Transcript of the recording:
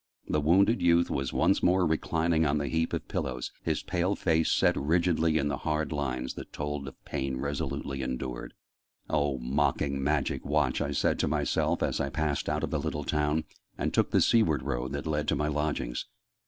the wounded youth was once more reclining on the heap of pillows, his pale face set rigidly in the hard lines that told of pain resolutely endured. "Oh mocking Magic Watch!" I said to myself, as I passed out of the little town, and took the seaward road that led to my lodgings.